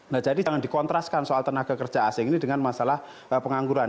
nah jadi jangan dikontraskan soal tenaga kerja asing ini dengan masalah pengangguran